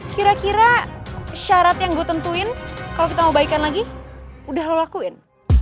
kira kira syarat yang gue tentuin kalau kita mau baikin lagi udah lo lakuin